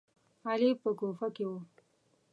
علي په کوفه کې و.